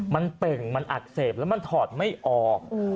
มันเป่งมันอักเสบแล้วมันถอดไม่ออก